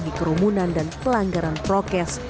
di kerumunan dan pelanggaran prokes